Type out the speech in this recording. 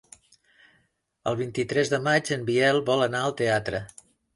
El vint-i-tres de maig en Biel vol anar al teatre.